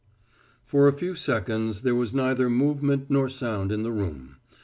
For a few seconds there was neither movement nor sound in the room.